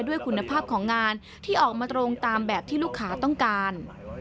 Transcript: ด้วยคุณภาพของงานที่ออกมาตรงตามแบบที่ลูกค้าต้องการ